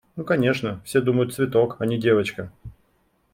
Ну конечно, все думают – цветок, а не девочка.